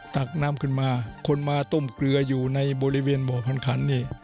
ตักน้ำขึ้นมาคนมาต้มเกลืออยู่ในบริเวณบ่อพันขันนี่